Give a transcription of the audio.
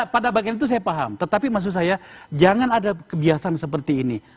pada bagian itu saya paham tetapi maksud saya jangan ada kebiasaan seperti ini